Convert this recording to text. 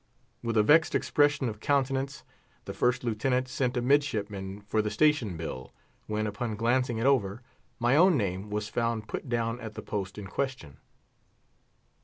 With a vexed expression of countenance the First Lieutenant sent a midshipman for the Station Bill, when, upon glancing it over, my own name was found put down at the post in question.